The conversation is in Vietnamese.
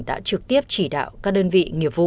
đã trực tiếp chỉ đạo các đơn vị